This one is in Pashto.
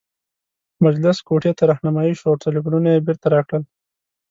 مجلس کوټې ته رهنمايي شوو او ټلفونونه یې بیرته راکړل.